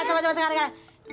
coba coba sekarang sekarang